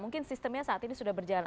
mungkin sistemnya saat ini sudah berjalan